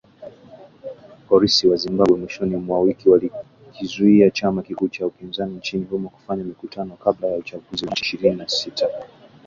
Polisi wa Zimbabwe mwishoni mwa wiki walikizuia chama kikuu cha upinzani nchini humo kufanya mikutano kabla ya uchaguzi wa Machi ishirini na sita